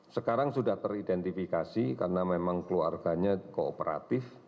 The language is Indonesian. sekarang sudah teridentifikasi karena memang keluarganya kooperatif